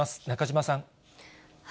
中島さん。